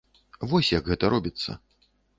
Вось як гэта робіцца.